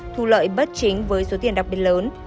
thu lợi bất chính với số tiền đặc biệt lớn